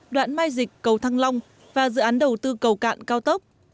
đoạn mai dịch cầu thăng long và dự án đầu tư cầu cạn cao tốc